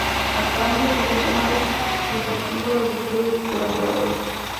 A cambio, resulta más receptivo a los deseos de sus colaboradores.